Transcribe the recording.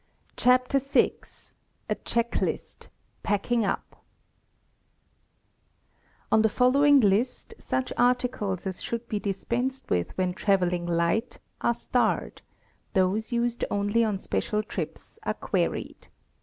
CHAPTER VI A CHECK LIST— PACKING UP /^N the following list, such articles as should be ^^ dispensed with when traveling light are starred; those used only on special trips are queried.